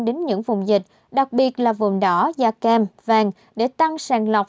đến những vùng dịch đặc biệt là vùng đỏ da cam vàng để tăng sàng lọc